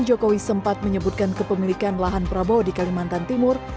jokowi sempat menyebutkan kepemilikan lahan prabowo di kalimantan timur